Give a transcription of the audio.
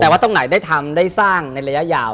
แต่ว่าตรงไหนได้ทำได้สร้างในระยะยาว